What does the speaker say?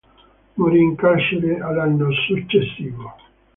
Morì in carcere l'anno successivo.